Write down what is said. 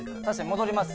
戻ります